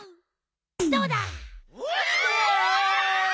どうだ？わ！